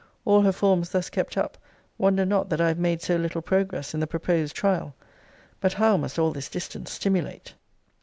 All her forms thus kept up, wonder not that I have made so little progress in the proposed trial. But how must all this distance stimulate!